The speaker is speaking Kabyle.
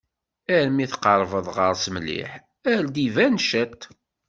Arma tqerrbeḍ ɣer-s mliḥ ara d-iban ciṭ.